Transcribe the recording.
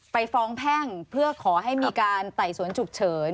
ไปฟ้องแพ่งเพื่อขอให้มีการไต่สวนฉุกเฉิน